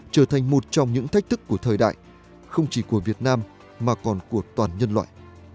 trở thành một trong những thách thức của thời đại không chỉ của việt nam mà còn của toàn nhân loại